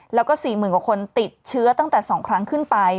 แล้วก็๔๐๐๐กว่าคนติดเชื้อตั้งแต่๒ครั้งขึ้นไป